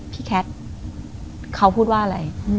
แคทเขาพูดว่าอะไร